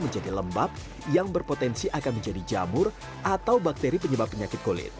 menjadi lembab yang berpotensi akan menjadi jamur atau bakteri penyebab penyakit kulit